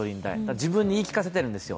自分に言い聞かせているんですよ。